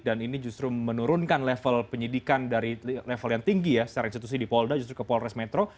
dan ini justru menurunkan level penyidikan dari level yang tinggi ya secara institusi di polda justru ke polres metro